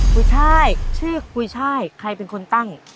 กุช่ายชื่อกุยช่ายใครเป็นคนตั้ง